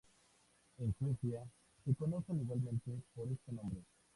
En Suecia se conocen igualmente por este nombre.